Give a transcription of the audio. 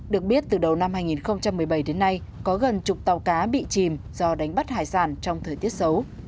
được biết từ đầu năm hai nghìn một mươi bảy đến nay có gần chục tàu cá bị chìm do đánh bắt hải sản trong thời tiết xấu